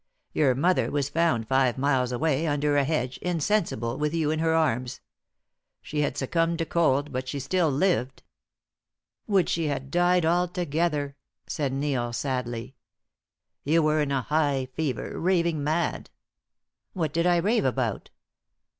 Your mother was found five miles away, under a hedge, insensible, with you in her arms. She had succumbed to cold and but she still lived." "Would she had died altogether!" said Neil, sadly. "You were in a high fever, raving mad." "What did I rave about?"